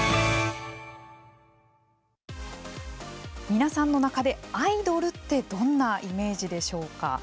皆さんの中でアイドルってどんなイメージでしょうか。